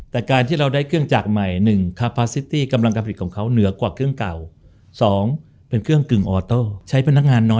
แต่การที่เราได้เครื่องจากใหม่หนึ่ง